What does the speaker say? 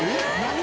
何？